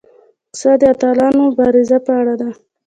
کیسه د اتلانو د مبارزو په اړه ده.